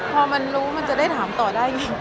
พอมันรู้มันจะได้ถามต่อได้ไง